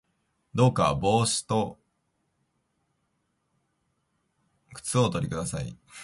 どうか帽子と外套と靴をおとり下さい